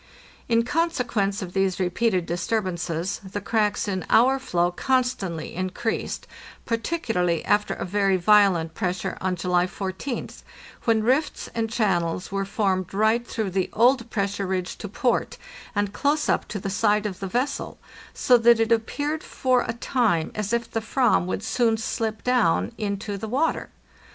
In consequence of these repeated disturbances the cracks in our floe constantly increased, par ticularly after a very violent pressure on July 14th, when rifts and channels were formed right through the old pressure ridge to port, and close up to the side of the vessel, so that it ap peared fora time as if the "va would soon slip down into the water.